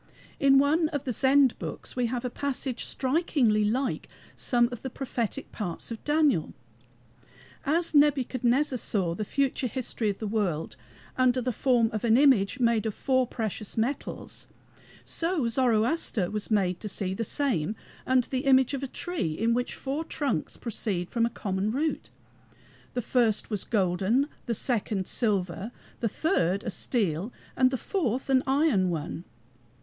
In one of the Zend books we have a passage strikingly like some of the prophetic parts of Daniel. As Nebuchadnezzar saw the future history of the world under the form of an image, made of four precious metals, so Zoroaster was made to see the same under the image of a tree in which four trunks proceed from a common root. The first was a golden, the second a silver, the third a steel, and the fourth an iron one.